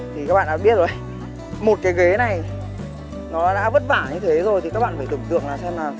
thì các bạn đã biết rồi một cái ghế này nó đã vất vả như thế rồi thì các bạn phải tưởng tượng là xem là